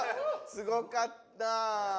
すごかった。